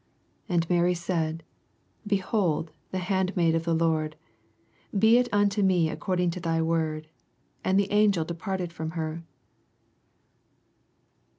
88 And Mary said, Behold the hand' maid of the Lord ; be it unto me according to thv word. And the angel departed from ner.